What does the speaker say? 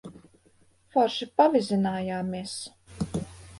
Forši pavizinājāmies.